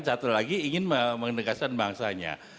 satu lagi ingin menegaskan bangsanya